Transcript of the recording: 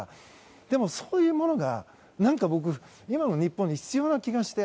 でも、そういうものが何か僕、今の日本に必要な気がして。